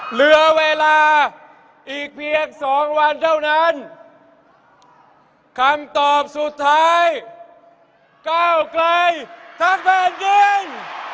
เหลือเวลาอีกเพียง๒วันเท่านั้นคำตอบสุดท้ายเก้าไกลทักษะเหนื่อย